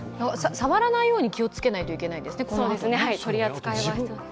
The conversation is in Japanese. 触らないように気をつけないといけないですね。